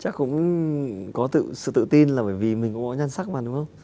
chắc cũng có sự tự tin là bởi vì mình cũng có nhân sắc mà đúng không